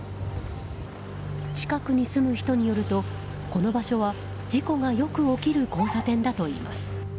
近くに住む人によるとこの場所は事故がよく起きる交差点だといいます。